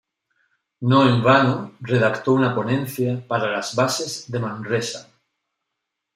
No en vano redactó una ponencia para las Bases de Manresa.